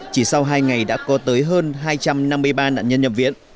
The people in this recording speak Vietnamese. chỉ sau hai ngày đã có tới hơn hai trăm năm mươi ba nạn nhân nhập viện